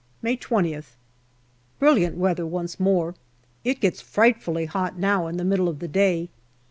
May 20th. Brilliant weather once more. It gets frightfully hot now in the middle of the day.